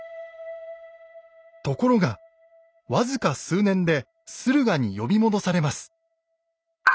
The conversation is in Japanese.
ところが僅か数年で駿河に呼び戻されます。